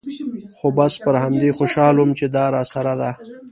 خو بس پر همدې خوشاله وم چې دا راسره ده.